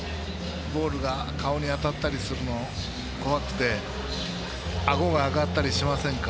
ボールが顔に当たったりするの怖くて、あごが上がったりしませんか？